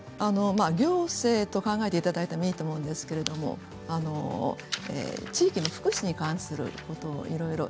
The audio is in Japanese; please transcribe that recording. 行政と考えていただいていいと思うんですけれど地域の福祉に関することをいろいろ。